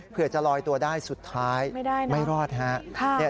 เผื่อจะลอยตัวได้สุดท้ายไม่ได้นะไม่รอดฮะ